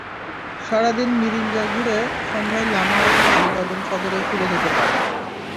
সার দিন মিরিঞ্জা ঘুরে সন্ধ্যায় লামা অথবা আলীকদম সদরে ফিরে যেতে পারেন।